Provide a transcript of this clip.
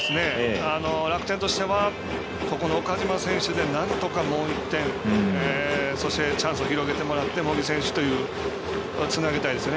楽天としては岡島選手でなんとかもう１点そしてチャンスを広げてもらって茂木選手につなげたいですね。